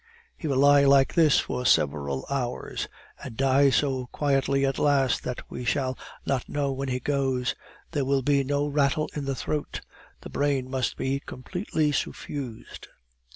"He will lie like this for several hours, and die so quietly at last, that we shall not know when he goes; there will be no rattle in the throat. The brain must be completely suffused."